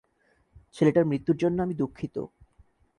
ছেলেটার মৃত্যুর জন্য আমি দুঃখিত!